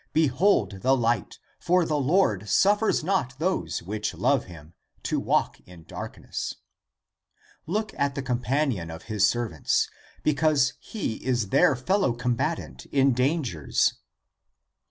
Behold the light, for the Lord suffers not those which love him, to walk in dark ness. Look at the companion of his servants, be 324 THE APOCRYPHAL ACTS cause he is their fellow combatant in dangers."